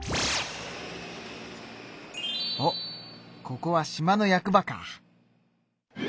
おっここは島の役場か。